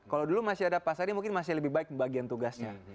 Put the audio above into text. kalau dulu masih ada pak sari mungkin masih lebih baik pembagian tugasnya